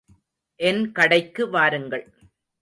என் கடைக்கு வாருங்கள்.